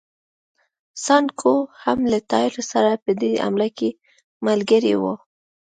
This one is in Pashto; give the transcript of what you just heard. سانکو هم له ټایلر سره په دې حمله کې ملګری و.